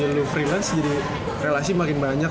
lu freelance jadi relasi makin banyak